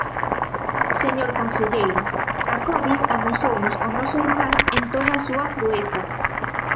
Señor conselleiro, a covid amosounos o noso rural en toda a súa crueza.